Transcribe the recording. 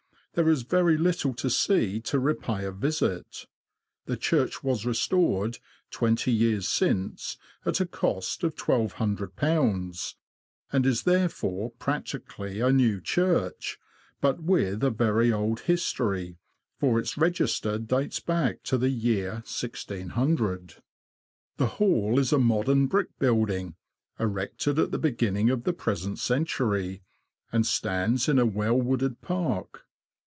There is very little to see to repay a visit. The church was restored, twenty years since, at a cost of ;^I200, and is therefore practi cally a new church, but with a very old history, for its register dates back to the year 1600. The Hall is a modern brick building, erected at the beginning of the present century, and stands in a well wooded park.